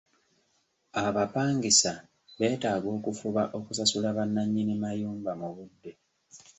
Abapangisa beetaaga okufuba okusasula bannannyini mayumba mu budde.